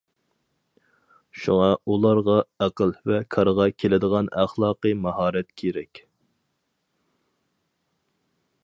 شۇڭا ئۇلارغا ئەقىل ۋە كارغا كېلىدىغان ئەخلاقىي ماھارەت كېرەك.